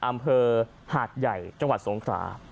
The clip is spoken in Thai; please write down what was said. อำเภอหาดใหญ่จังหวัดสงขรา